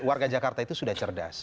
warga jakarta itu sudah cerdas